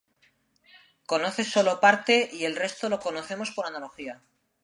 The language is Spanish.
Conocer solo parte y el resto lo conocemos por analogía.